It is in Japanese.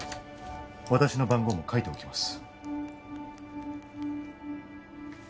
私の番号も書いておきます